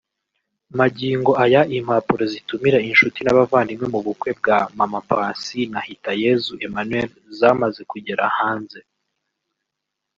Magingo aya impapuro zitumira inshuti n’abavandimwe mu bukwe bwa Mama Paccy na Hitayezu Emmanuel zamaze kugera hanze